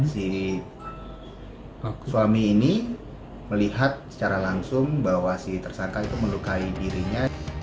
si suami ini melihat secara langsung bahwa si tersangka itu melukai dirinya